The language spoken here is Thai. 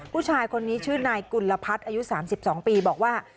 ผู้ชายคนนี้ชื่อนายกุลพัฒน์อายุ๓๒ปีบอกว่า